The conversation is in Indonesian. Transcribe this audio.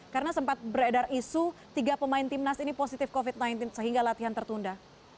karena sempat beredar isu tiga pemain timnas ini positif covid sembilan belas sehingga latihan tertunda